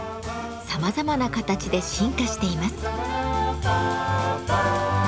さまざまな形で進化しています。